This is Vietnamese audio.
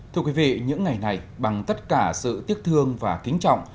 thưa quý vị những ngày này bằng tất cả sự tiếc thương và kính trọng